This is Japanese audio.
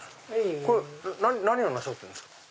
これ何をなさってるんですか？